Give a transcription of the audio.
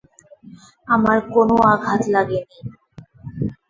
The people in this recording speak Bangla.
আমার কোনও আঘাত লাগেনি!